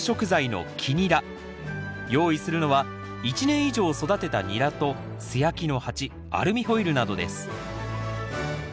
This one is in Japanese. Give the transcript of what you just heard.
用意するのは１年以上育てたニラと素焼きの鉢アルミホイルなどです